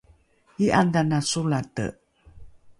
i’adhana solate